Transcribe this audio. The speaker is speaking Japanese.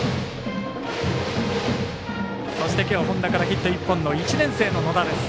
そして、きょう本田からヒット１本の１年生の野田です。